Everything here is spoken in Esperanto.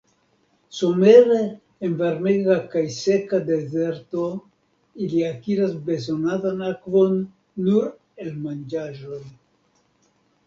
Somere en varmega kaj seka dezerto ili akiras bezonatan akvon nur el manĝaĵoj.